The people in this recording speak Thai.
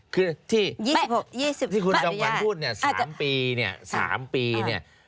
คือที่ที่คุณจังหวังพูด๓ปีนี่